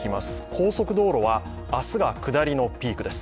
高速道路は明日が下りのピークです。